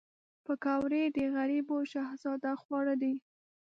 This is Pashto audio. پکورې د غریبو شهزاده خواړه دي